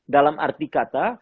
dalam arti kata